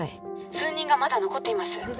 数人がまだ残っています